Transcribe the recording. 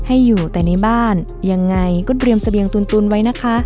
ให้อยู่แต่ในบ้านยังไงก็เตรียมเสบียงตุนไว้นะคะ